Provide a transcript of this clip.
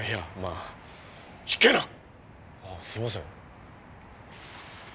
あすいません。